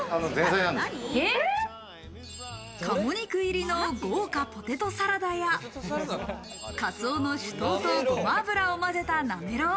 鴨肉入りの豪華ポテトサラダや、カツオの酒盗とごま油を混ぜたなめろう。